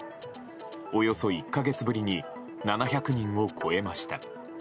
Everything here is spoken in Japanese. およそ１か月ぶりに７００人を超えました。